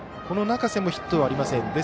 この中瀬もヒットがありません。